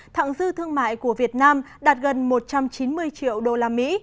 thẳng dư thương mại của việt nam đạt gần một trăm chín mươi triệu đô la mỹ